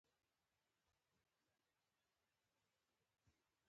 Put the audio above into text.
کله چې افغانستان کې ولسواکي وي ناروغان درملنه کیږي.